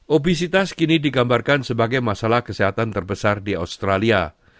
obesitas kini digambarkan sebagai masalah kesehatan terbesar di australia